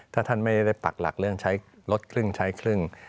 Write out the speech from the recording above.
ถ้าท่านไม่ได้ปักหลักเรื่องใช้รถครึ่งใช้ครึ่ง